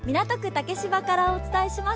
竹芝からお伝えします。